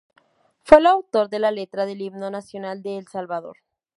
Fue el autor de la letra del Himno Nacional de El Salvador.